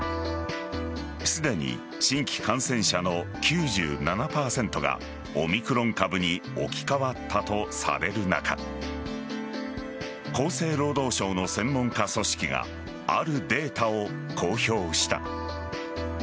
すでに新規感染者の９７％がオミクロン株に置き換わったとされる中厚生労働省の専門家組織があるデータを公表した。